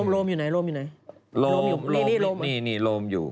โรมอยู่ไหนนี่คือโรมอยู่